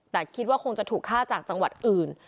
แต่คิดว่าคงจะถูกฆ่าจากจังหวัดอื่น